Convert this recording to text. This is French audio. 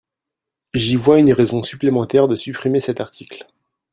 J’y vois une raison supplémentaire de supprimer cet article.